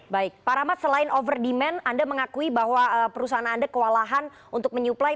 baik pak rahmat selain over demand anda mengakui bahwa perusahaan anda kewalahan untuk menyuplai